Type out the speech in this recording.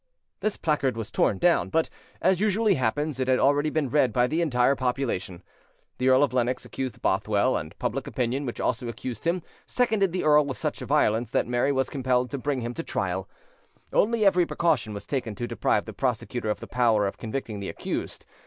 This placard was torn down; but, as usually happens, it had already been read by the entire population. The Earl of Lennox accused Bothwell, and public opinion, which also accused him, seconded the earl with such violence, that Mary was compelled to bring him to trial: only every precaution was taken to deprive the prosecutor of the power of convicting the accused.